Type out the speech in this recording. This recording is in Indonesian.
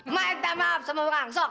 maafin sama orang sok